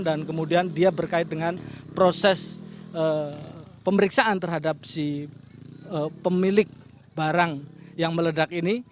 dan kemudian dia berkait dengan proses pemeriksaan terhadap si pemilik barang yang meledak ini